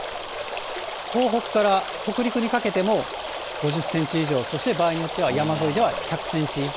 東北から北陸にかけても５０センチ以上、そして場合によっては山沿いでは１００センチ以上。